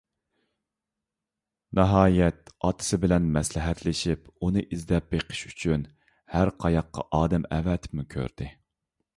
ناھايەت ئاتىسى بىلەن مەسلىھەتلىشىپ ئۇنى ئىزدەپ بېقىش ئۈچۈن ھەر قاياققا ئادەم ئەۋەتىپمۇ كۆردى.